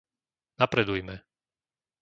Napredujme.